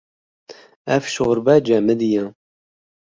Ev şorbe cemidî ye.